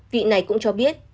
vị này cũng cho biết